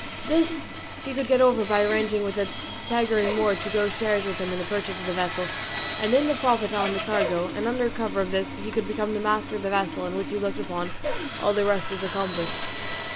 This however he could get over by arranging with a Tagarin Moor to go shares with him in the purchase of the vessel, and in the profit on the cargo; and under cover of this he could become master of the vessel, in which case he looked upon all the rest as accomplished.